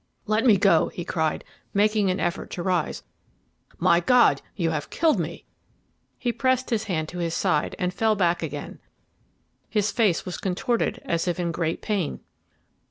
"Let me go," he cried, making an effort to rise. "My God! you have killed me." He pressed his hand to his side and fell back again: his face was contorted as if in great pain.